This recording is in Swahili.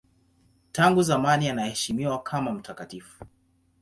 Tangu zamani anaheshimiwa kama mtakatifu.